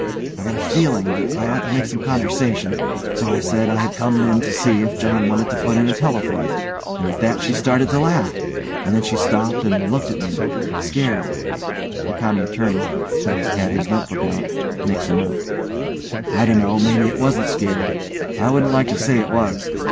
I got a feeling that I ought to make some conversation, so I said I had come in to see if John wanted to put in a telephone, and at that she started to laugh, and then she stopped and looked at me scared, (the COUNTY ATTORNEY, who has had his notebook out, makes a note) I dunno, maybe it wasn't scared. I wouldn't like to say it was.